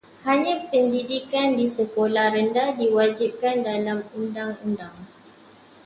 Hanya pendidikan di sekolah rendah diwajibkan dalam undang-undang.